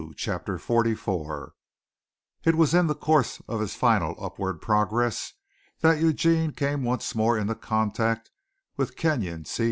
CHAPTER XLIV It was in the course of his final upward progress that Eugene came once more into contact with Kenyon C.